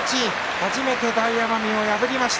初めて大奄美を破りました。